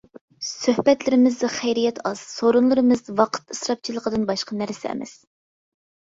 سۆھبەتلىرىمىزدە خەيرىيەت ئاز، سورۇنلىرىمىز ۋاقىت ئىسراپچىلىقىدىن باشقا نەرسە ئەمەس.